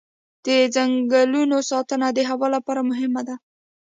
د ځنګلونو ساتنه د هوا لپاره مهمه ده.